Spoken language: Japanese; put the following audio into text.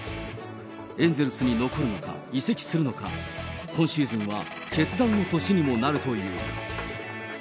エンゼルスに残るのか、移籍するのか、今シーズンは決断の年にもなるという。